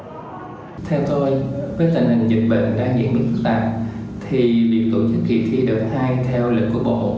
với tình hình dịch bệnh đang diễn biến phức tạp thì việc tổ chức kỳ thi đợt hai theo lực của bộ